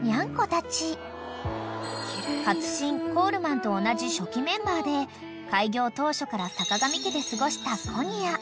［勝新コールマンと同じ初期メンバーで開業当初からさかがみ家で過ごしたコニア］